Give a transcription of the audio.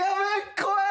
怖い！